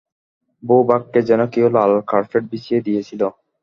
ভূ-ভাগকে যেন কেউ লাল কার্পেট বিছিয়ে দিয়েছিল।